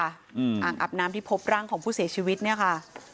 อ่างอาบน้ำที่พบร่างของผู้เสียชีวิตเนี่ยค่ะ